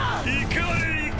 怒れ！